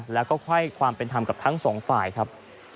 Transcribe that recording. แล้วก็ค่อยความเป็นธรรมกับทั้งสองฝ่ายครับ